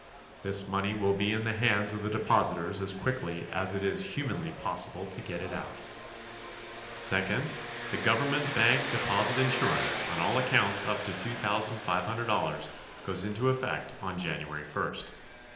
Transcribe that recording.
This money will be in the hands of the depositors as quickly as it is humanly possible to get it out. Second, the Government Bank Deposit Insurance on all accounts up to $2500 goes into effect on January first.